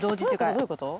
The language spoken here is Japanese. どういうこと？